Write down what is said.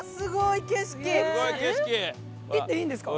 行っていいんですか？